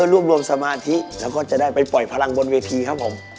กลุ่มกันสมาธิแล้วก็จะได้ไปปล่อยพลังบนวาทีครับครับผม